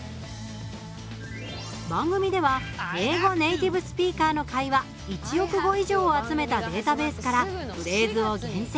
番組では英語ネイティブスピーカーの会話１億語以上を集めたデータベースからフレーズを厳選。